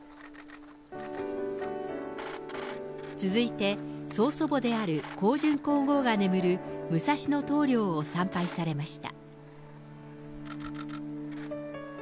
続いて、曾祖母である香淳皇后が眠る武蔵野東陵を参拝されました。